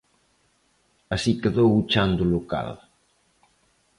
Así quedou o chan do local.